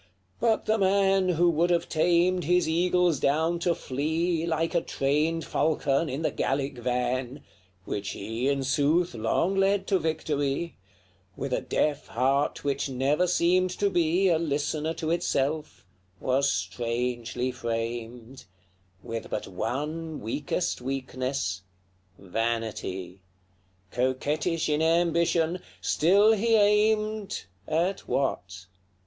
But the man Who would have tamed his eagles down to flee, Like a trained falcon, in the Gallic van, Which he, in sooth, long led to victory, With a deaf heart which never seemed to be A listener to itself, was strangely framed; With but one weakest weakness vanity: Coquettish in ambition, still he aimed At what?